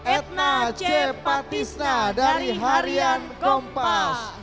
edna c patisna dari haryan kompas